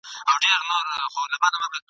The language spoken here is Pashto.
د اکبر په ميخانوکي ..